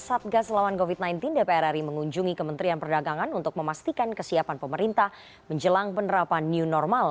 satgas lawan covid sembilan belas dpr ri mengunjungi kementerian perdagangan untuk memastikan kesiapan pemerintah menjelang penerapan new normal